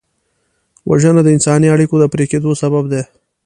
وژنه د انساني اړیکو د پرې کېدو سبب ده